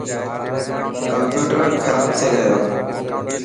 ڪمپيوٽر کراب ٿي گيو.